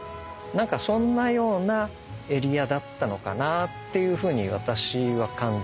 なんかそんなようなエリアだったのかなっていうふうに私は感じます。